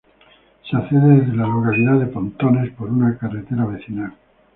Se accede desde la localidad de Pontones por una carretera vecinal.